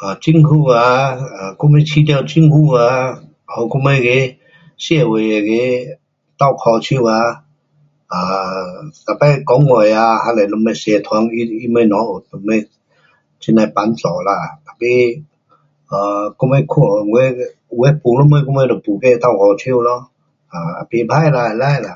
啊政府啊，um 我们较多政府啊，给我们那个，社会那个倒脚手啊，每次公会啊还是什么社团他们若有什么这呐的帮助啦，tapi um 我们看有的什么就没啥到脚手咯。um 也不错啦，会使啦。